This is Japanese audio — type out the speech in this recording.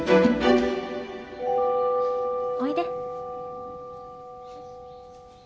おいで。